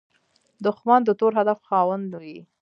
دښمن د تور هدف خاوند وي